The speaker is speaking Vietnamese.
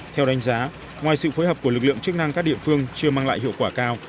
theo đánh giá ngoài sự phối hợp của lực lượng chức năng các địa phương chưa mang lại hiệu quả cao